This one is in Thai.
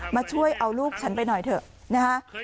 มาช่วยเอาลูกฉันไปหน่อยเถอะนะฮะ